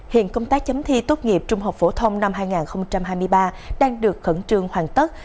hiện công tác chấm thi tốt nghiệp trung học phổ thông năm hai nghìn hai mươi ba đang được khẩn trương hoàn tất